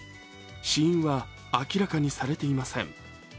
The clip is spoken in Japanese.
死因は明らかにされていません。